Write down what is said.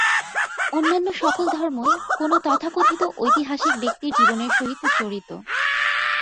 অন্যান্য সকল ধর্মই কোন তথাকথিত ঐতিহাসিক ব্যক্তির জীবনের সহিত জড়িত।